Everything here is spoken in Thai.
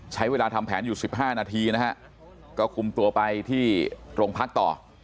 ใช้เวลาทำแผนอยู่๑๕นาทีนะฮะก็คุมตัวไปที่โรงพักต่อ